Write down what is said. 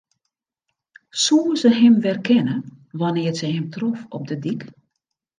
Soe se him werkenne wannear't se him trof op de dyk?